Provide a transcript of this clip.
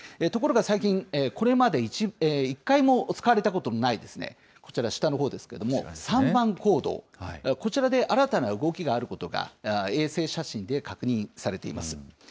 ところが最近、これまで１回も使われたことのない、こちら、下のほうですけれども、３番坑道、こちらで新たな動きがあることが、衛星写真で確認されています。